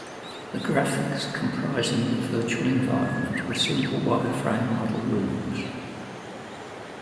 The graphics comprising the virtual environment were simple wire-frame model rooms.